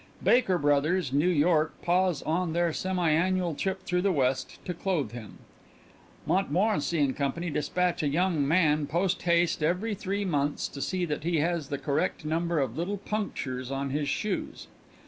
Baker Brothers, New York, pause on their semi annual trip through the West to clothe him; Montmorency & Co. dispatch a young man post haste every three months to see that he has the correct number of little punctures on his shoes.